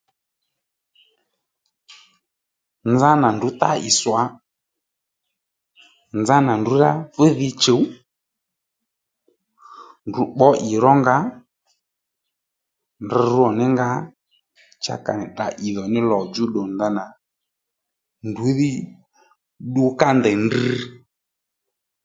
Nzá nà ndrǔ tá ì swǎ nzá nà ndrǔ rá fu dhi chùw ndrǔ bbǒ ì ró nga ndrǔ rř ní nga cha ka nì tdrǎ ì dhò nì lò djú ddù ndanà ndrǔ dhí ddu ká ndèy ndrr